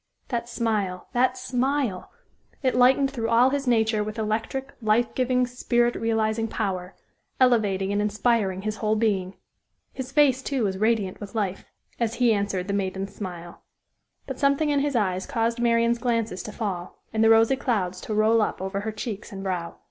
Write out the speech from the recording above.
That smile that smile! It lightened through all his nature with electric, life giving, spirit realizing power, elevating and inspiring his whole being. His face, too, was radiant with life as he answered the maiden's smile. But something in his eyes caused Marian's glances to fall, and the rosy clouds to roll up over her cheeks and brow.